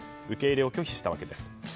受け入れを拒否したわけです。